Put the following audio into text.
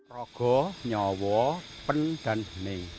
rogo nyowo pen dan bening